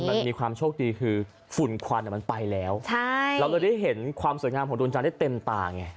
มันมีความโชคดีคือฝุ่นควันมันไปแล้วใช่เราเลยได้เห็นความสวยงามของดวงจันทร์ได้เต็มตาไง